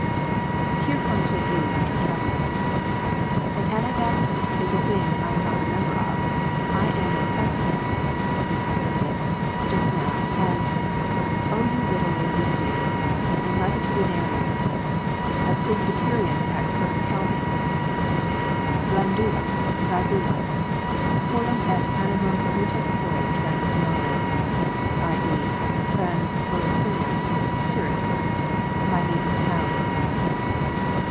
Here come her views on church government: "An Anni babtist is a thing I am not a member of I am a Pisplekan (Episcopalian) just now, and" (O you little Laodicean and Latitudinarian!) "a Prisbeteran at Kirkcaldy" (Blandula! Vagula! coelum et animum mutas quoe trans mare [i.e., trans Bodotriam] curris!) "my native town."